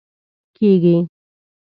کیږي